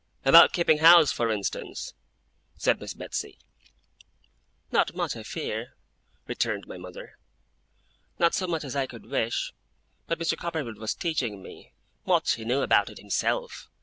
'About keeping house, for instance,' said Miss Betsey. 'Not much, I fear,' returned my mother. 'Not so much as I could wish. But Mr. Copperfield was teaching me ' ['Much he knew about it himself!